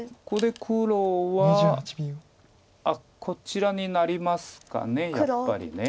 ここで黒はこちらになりますかやっぱり。